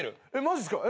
マジっすか。